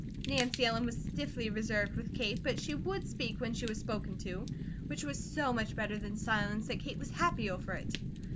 Nancy Ellen was stiffly reserved with Kate, but she WOULD speak when she was spoken to, which was so much better than silence that Kate was happy over it.